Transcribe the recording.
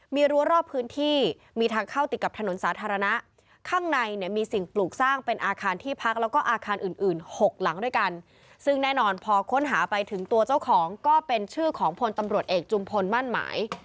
มีรั้วรอบพื้นที่มีทางเข้าติดกับถนนสาธารณะข้างในเนี่ยมีสิ่งปลูกสร้างเป็นอาคารที่พักแล้วก็อาคารอื่นอื่นหกหลังด้วยกันซึ่งแน่นอนพอค้นหาไปถึงตัวเจ้าของก็เป็นชื่อของพลตำรวจเอกจุมพลมั่นหมาย